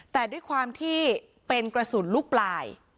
แต่ด้วยความที่เป็นกระสุนลูกปลาย